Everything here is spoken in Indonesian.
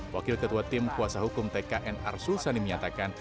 wakil ketua tim kuasa hukum tkn arsul sani menyatakan